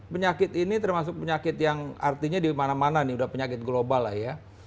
penyakit ini termasuk penyakit yang artinya di mana mana nih udah penyakit global lah ya